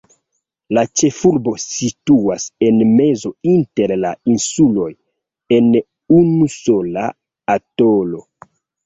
La ĉefurbo situas en mezo inter la insuloj, en unusola atolo.